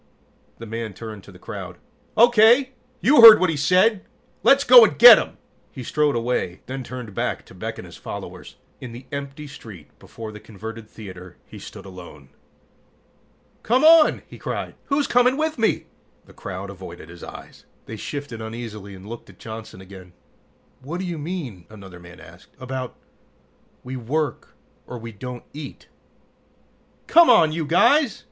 The man turned to the crowd. "Okay, you heard what he said! Let's go and get 'em!" He strode away, then turned back to beckon his followers. In the empty street before the converted theater, he stood alone. "Come on!" he cried. "Who's coming with me?" The crowd avoided his eyes. They shifted uneasily and looked at Johnson again. "What do you mean?" another man asked. "About, we work or we don't eat " "Come on, you guys!"